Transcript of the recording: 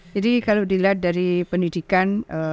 jadi kalau dilihat dari pendidikan